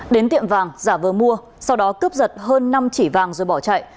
đến tiệm vàng giả vờ mua sau đó cướp giật hơn năm chỉ vàng rồi bỏ chạy